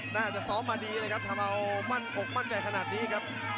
น่าจะสอบมาดีเลยครับถ้ามันอกมั่นใจขนาดนี้ครับ